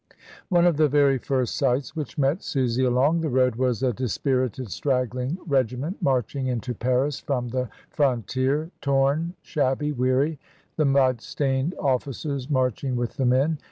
One of the very first sights which met Susy along the road was a dispirited, straggling regiment marching into Paris from the frontier, torn, shabby, weary, the mud stained officers marching with the men.